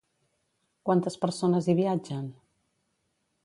Quantes persones hi viatgen?